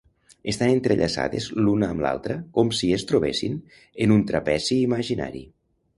Estan entrellaçades l'una amb l'altra com si es trobessin en un trapezi imaginari.